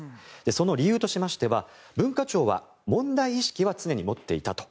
その理由としましては、文化庁は問題意識は常に持っていたと。